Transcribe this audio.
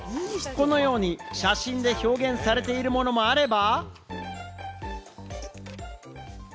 このように写真で表現されているものもあれば。